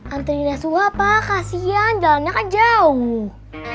antrinya sua pa kasian jalannya kan jauh